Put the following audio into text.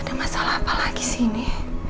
ada masalah apa lagi sih ini